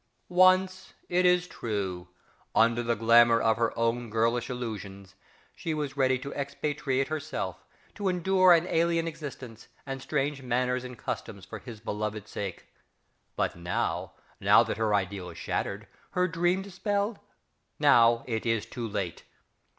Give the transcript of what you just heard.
_) Once, it is true, under the glamour of her own girlish illusions, she was ready to expatriate herself, to endure an alien existence, and strange manners and customs for his beloved sake; but now, now that her ideal is shattered, her dream dispelled, now, it is too late!